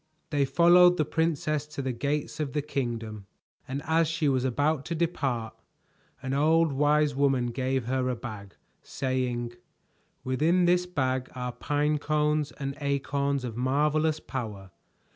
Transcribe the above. They followed the princess to the gates of the kingdom, and as she was about to depart, an old wise woman gave her a bag, saying: "Within this bag are pine cones and acorns of marvelous power.